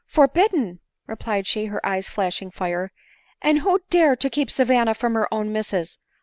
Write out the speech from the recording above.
"Forbidden!" replied she, her eyes flashing fire; " and who dare to keep Savanna from her own misses